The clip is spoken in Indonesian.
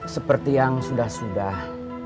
seperti yang sudah sudah